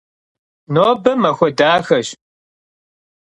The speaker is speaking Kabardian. Nobe maxue daxeş.